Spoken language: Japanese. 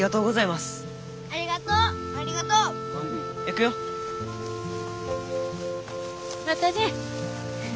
またね。